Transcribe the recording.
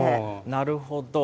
なるほど。